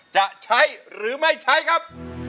จะใช้หรือไม่ใช้ครับ